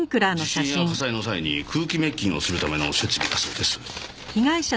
地震や火災の際に空気滅菌をするための設備だそうです。